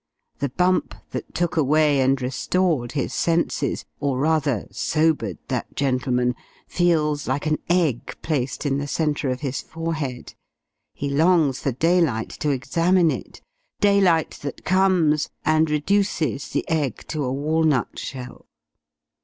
The bump that took away and restored his senses, or, rather, sobered that gentleman, feels like an egg placed in the centre of his forehead he longs for daylight, to examine it: daylight, that comes, and reduces the egg to a walnut shell!